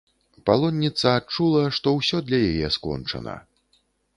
Палонніца адчула, што ўсё для яе скончана.